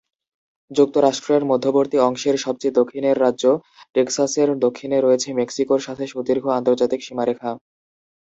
যুক্তরাষ্ট্রের মধ্যবর্তী অংশের সবচেয়ে দক্ষিণের রাজ্য টেক্সাসের দক্ষিণে রয়েছে মেক্সিকোর সাথে সুদীর্ঘ আন্তর্জাতিক সীমারেখা।